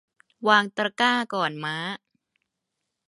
วางตะกร้าก่อนม้า